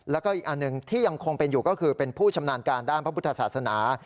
แล้วก็อีกอันหนึ่งที่ยังคงเป็นอยู่ก็คือเป็นผู้ชำนาญการด้านพระพุทธศาสนา